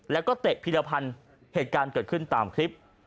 แล้วก็เตะพีรพันธ์เหตุการณ์เกิดขึ้นตามคลิป